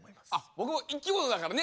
僕も生き物だからね